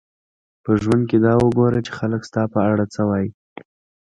په ژوند کښي دا وګوره، چي خلک ستا په اړه څه وايي.